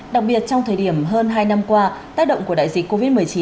đặc biệt trong thời điểm hơn hai năm qua tác động của đại dịch covid một mươi chín